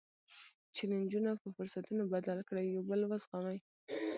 جیلنجونه په فرصتونو بدل کړئ، یو بل وزغمئ.